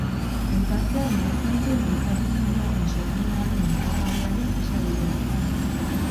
Aipatzea merezi dute giza burmuinaren sormen ahalmen mugagabearen isla direlako.